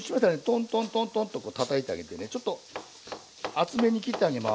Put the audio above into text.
トントントントンとたたいてあげてねちょっと厚めに切ってあげます。